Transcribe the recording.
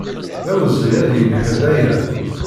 D awezɣi ad yeg ḥedd aya.